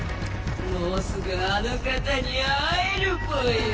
もうすぐ「あの方」に会えるぽよ！